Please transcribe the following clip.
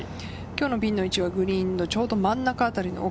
今日のピンの位置はグリーンのちょうど真ん中あたりの奥。